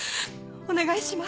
お願いします。